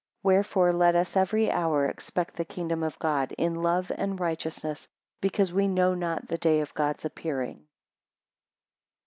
15 Wherefore let us every hour expect the kingdom of God in love and righteousness; because we know not the day of God's appearing.